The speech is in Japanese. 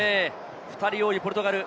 ２人多いポルトガル。